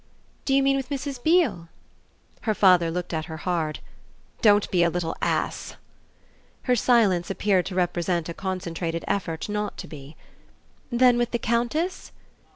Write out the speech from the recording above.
"Do you mean with Mrs. Beale?" Her father looked at her hard. "Don't be a little ass!" Her silence appeared to represent a concentrated effort not to be. "Then with the Countess?"